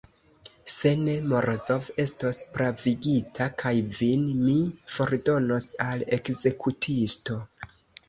Se ne, Morozov estos pravigita, kaj vin mi fordonos al ekzekutisto.